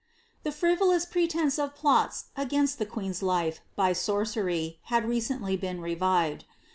The frirolous prelenee of plots against [lie queen's life by s'>rcery hu receiiily been revived.